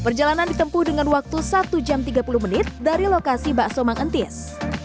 perjalanan ditempuh dengan waktu satu jam tiga puluh menit dari lokasi bakso mangentis